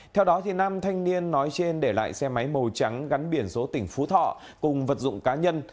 theo đó nam thanh niên nói trên để lại xe máy màu trắng gắn biển số tỉnh phú thọ cùng vật dụng cá nhân